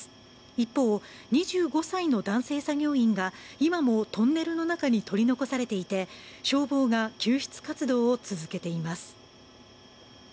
一方、２５歳の男性作業員が今もトンネルの中に取り残されていて消防が救出活動を続けています。